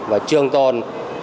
và trường tồn